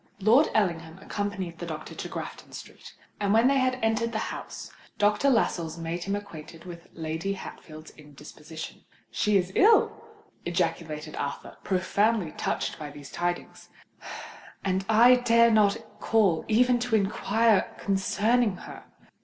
Lord Ellingham accompanied the doctor to Grafton Street; and when they had entered the house, Dr. Lascelles made him acquainted with Lady Hatfield's indisposition. "She is ill!" ejaculated Arthur, profoundly touched by these tidings: "and I dare not call even to inquire concerning her!"